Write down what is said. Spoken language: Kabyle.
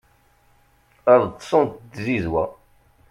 ad ṭṭsen d tzizwa